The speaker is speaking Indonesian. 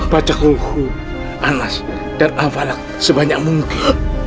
bacak luhur anas dan avalan sebanyak mungkin